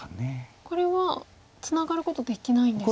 これはツナがることできないんですか。